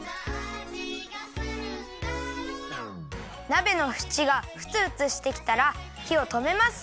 なべのふちがふつふつしてきたらひをとめます。